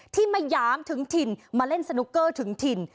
ที่มาหยามถึงถิ่นมาเล่นสนุกเกอร์ถึงถิ่น